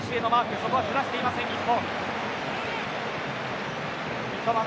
そこは崩していません日本。